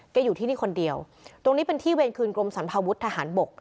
อยู่ที่นี่คนเดียวตรงนี้เป็นที่เวรคืนกรมสรรพาวุฒิทหารบก